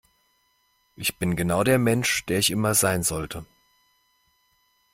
Ich bin genau der Mensch, der ich immer sein sollte.